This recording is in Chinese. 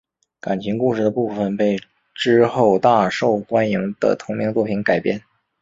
感情故事的部分被之后大受欢迎的同名作品改编。